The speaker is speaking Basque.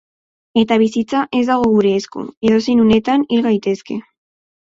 Eta bizitza ez dago gure esku, edozein unetan hil gaitezke.